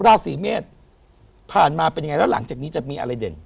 ราศีเมษผ่านมาเป็นยังไงแล้วหลังจากนี้จะมีอะไรเด่น